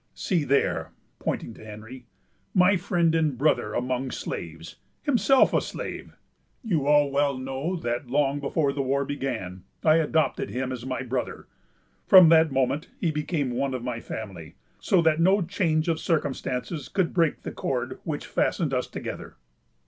See there, [pointing to Henry,] my friend and brother among slaves,——himself a slave! "You all well know that, long before the war began, I adopted him as my brother. From that moment he became one of my family, so that no change of circumstances could break the cord which fastened us together.